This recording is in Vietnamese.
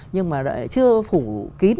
nhưng mà chưa phủ kín